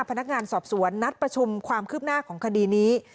พนักงานสอบสวนนัดประชุมความคืบหน้าของคดีนี้